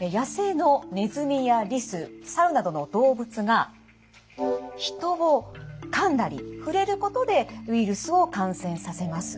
野生のネズミやリスサルなどの動物がヒトをかんだり触れることでウイルスを感染させます。